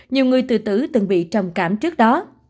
nhiều người từ tử từng bị trầm cảm trước đó